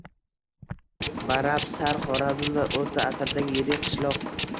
Barab-Sar – Xorazmda o‘rta asrdagi yirik qishloq.